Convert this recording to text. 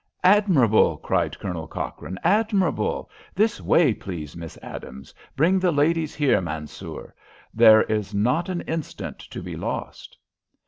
"Admirable!" cried Colonel Cochrane. "Admirable! This way, please, Miss Adams. Bring the ladies here, Mansoor. There is not an instant to be lost."